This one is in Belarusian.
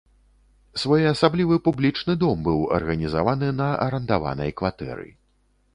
Своеасаблівы публічны дом быў арганізаваны на арандаванай кватэры.